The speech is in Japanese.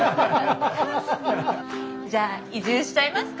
じゃあ移住しちゃいますか。